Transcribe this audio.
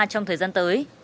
trong thời gian tới